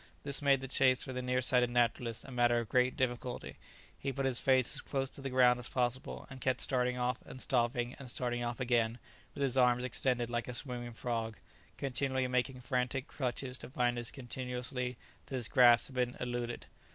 This made the chase for the near sighted naturalist a matter of great difficulty; he put his face as close to the ground as possible, and kept starting off and stopping and starting off again with his arms extended like a swimming frog, continually making frantic clutches to find as continually that his grasp had been eluded.